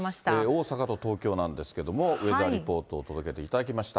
大阪と東京なんですけども、ウェザーリポートを届けていただきました。